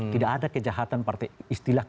tidak ada kejahatan partai istilah